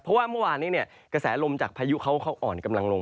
เพราะว่าเมื่อวานนี้กระแสลมจากพายุเขาอ่อนกำลังลง